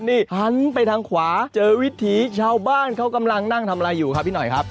นี่หันไปทางขวาเจอวิถีชาวบ้านเขากำลังนั่งทำอะไรอยู่ครับพี่หน่อยครับ